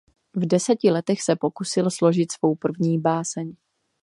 V deseti letech se pokusil složit svou první báseň.